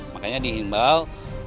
makanya di limbah